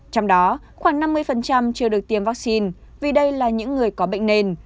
trong đó khoảng năm mươi chưa được tiêm vaccine vì đây là những người có bệnh nền